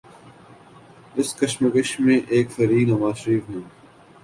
اس کشمکش میں ایک فریق نوازشریف صاحب ہیں